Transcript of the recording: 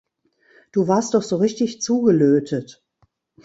Du warst doch so richtig zugelötet.